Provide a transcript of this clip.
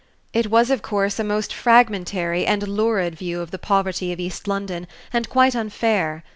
It was, of course, a most fragmentary and lurid view of the poverty of East London, and quite unfair.